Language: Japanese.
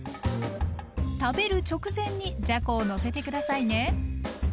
食べる直前にじゃこをのせて下さいね。